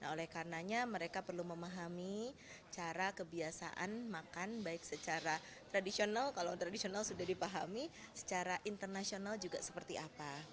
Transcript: oleh karenanya mereka perlu memahami cara kebiasaan makan baik secara tradisional kalau tradisional sudah dipahami secara internasional juga seperti apa